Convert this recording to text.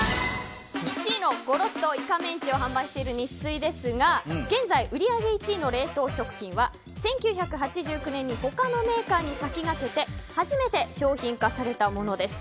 １位のゴロッといかメンチを販売しているニッスイですが現在、売上１位の冷凍食品は１９８９年に他のメーカーに先駆けて初めて商品化されたものです。